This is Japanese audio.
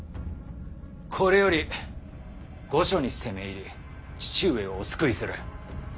これより御所に攻め入り父上をお救いする。